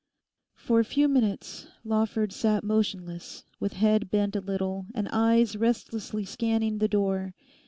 For a few minutes Lawford sat motionless, with head bent a little, and eyes restlessly scanning the door.